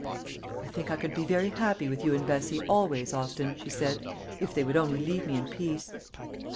"I think I could be very happy with you and Bessie always, Austin," she said, "if they would only leave me in peace."